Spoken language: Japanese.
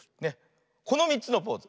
この３つのポーズ。